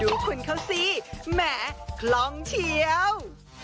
อุ๊ยดูคุณเขาสิแหมคลองเฉียว